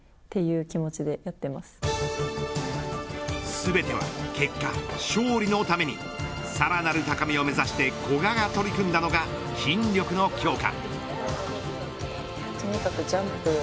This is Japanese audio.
全ては結果、勝利のためにさらなる高みを目指して古賀が取り組んだのが筋力の強化。